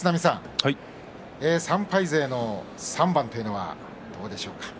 ３敗勢の３番というのはどうでしょうか。